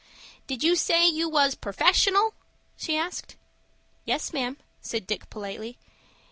"Did you say you was purfessional?" she asked. "Yes, ma'am," said Dick, politely.